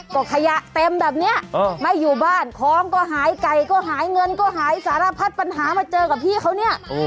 ก็ขยะเต็มแบบนี้ไม่อยู่บ้านของก็หายไก่ก็หายเงินก็หายสารพัดปัญหามาเจอกับพี่เขาเนี่ย